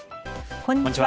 こんにちは。